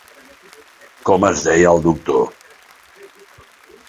Com es deia el doctor?